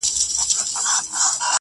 له عطاره دوکان پاته سو هک پک سو٫